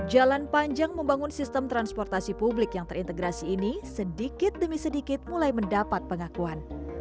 jalan panjang membangun sistem transportasi publik yang terintegrasi ini sedikit demi sedikit mulai mendapat pengakuan